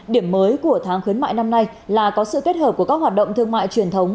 điểm mới của tháng khuyến mại năm nay là có sự kết hợp của các hoạt động thương mại truyền thống